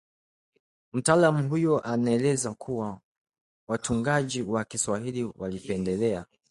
Mtaalamu huyu anaeleza kuwa watungaji wa Kiswahili walipendelea